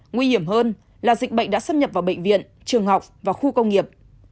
nguy hiểm hơn là dịch bệnh đã xâm nhập vào bệnh viện trường học và khu công nghiệp